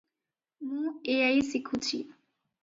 ମୁଁ ଏଆଇ ଶିଖୁଛି।